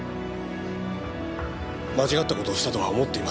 間違った事をしたとは思っていません。